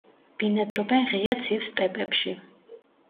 ბინადრობენ ღია ცივ სტეპებში.